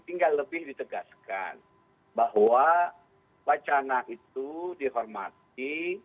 tinggal lebih ditegaskan bahwa wacana itu dihormati